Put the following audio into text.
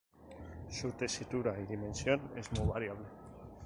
Su tesitura y dimensión es muy variable.